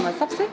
mà sắp xếp